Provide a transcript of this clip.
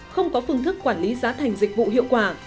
không có phương thức quản lý giá thành dịch vụ hiệu quả